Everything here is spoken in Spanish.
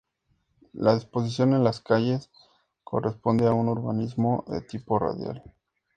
La disposición de las calles corresponde a un urbanismo de tipo radial.